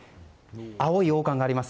青い王冠があります。